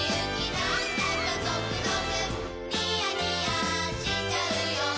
なんだかゾクゾクニヤニヤしちゃうよ